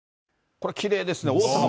これ、きれいですね。